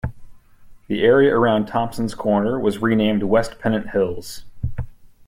The area around Thompsons Corner was renamed West Pennant Hills.